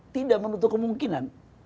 tidak menutup kemungkinan